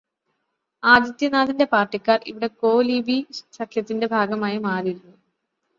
ആദിത്യനാഥിന്റെ പാർട്ടിക്കാർ ഇവിടെ 'കോലീബി' സഖ്യത്തിന്റെ ഭാഗമായി മാറിയിരുന്നു.